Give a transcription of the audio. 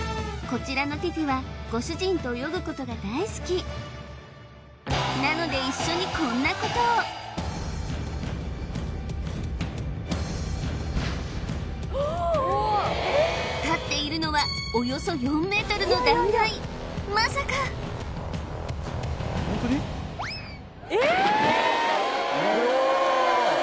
こちらのティティはご主人と泳ぐことが大好きなので一緒にこんなことを立っているのはおよそ４ｍの断崖まさかおお！